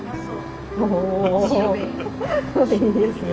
いいですね。